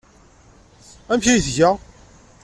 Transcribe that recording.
Amek ay tga?